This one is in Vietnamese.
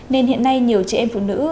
nên hiện nay nhiều chị em phụ nữ